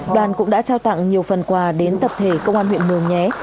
đoàn cũng đã trao tặng nhiều phần quà đến tập thể công an huyện mường nhé